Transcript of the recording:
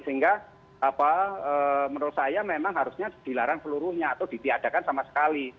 sehingga menurut saya memang harusnya dilarang seluruhnya atau ditiadakan sama sekali